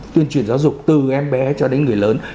tuyên truyền giáo dục từ em bé cho đến người lớn